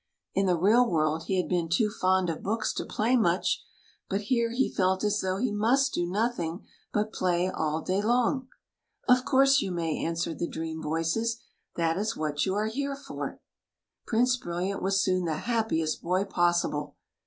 In the real world he had been too fond of books to play much, but here he felt as though he must do nothing but play all day long. " Of course you may," answered the dream voices ;" that is what you are here for." Prince Brilliant was soon the happiest boy possible.